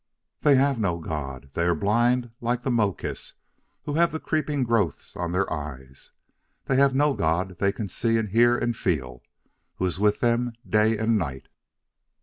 "They have no God. They are blind like the Mokis who have the creeping growths on their eyes. They have no God they can see and hear and feel, who is with them day and night."